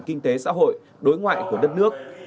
kinh tế xã hội đối ngoại của đất nước